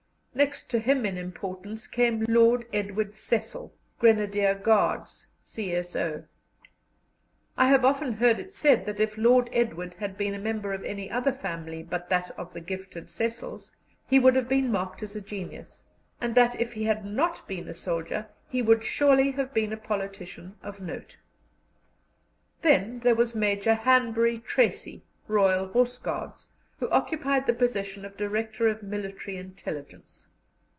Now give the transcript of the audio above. Next to him in importance came Lord Edward Cecil, Grenadier Guards, C.S.O. I have often heard it said that if Lord Edward had been a member of any other family but that of the gifted Cecils he would have been marked as a genius, and that if he had not been a soldier he would surely have been a politician of note. Then there was Major Hanbury Tracy, Royal Horse Guards, who occupied the position of Director of Military Intelligence.